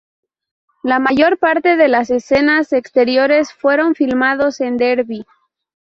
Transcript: La mayor parte de las escenas exteriores fueron filmados en Derby.